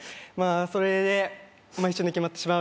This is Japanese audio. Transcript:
それで。